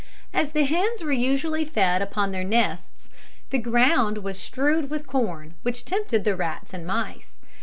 As the hens were usually fed upon their nests, the ground was strewed with corn, which tempted the rats and mice.